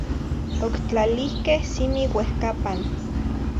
Octlalihqueh simi uehcapan